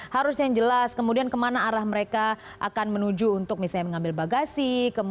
harus yang jelas kemudian kemana arah mereka akan menuju untuk misalnya mengambil bagasi